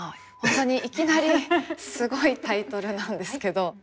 本当にいきなりすごいタイトルなんですけど。